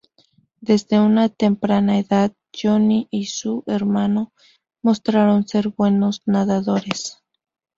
Desde una temprana edad, Johnny y su hermano mostraron ser buenos nadadores.